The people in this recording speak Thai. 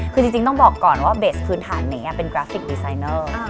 คือจริงต้องบอกก่อนว่าเบสพื้นฐานนี้เป็นกราฟิกดีไซเนอร์